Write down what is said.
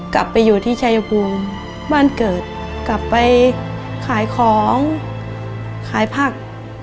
กลับไปอยู่ที่ชายภูมิบ้านเกิดกลับไปขายของขายผัก